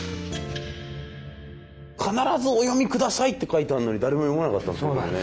「必ずお読みください」って書いてあるのに誰も読まなかったんですね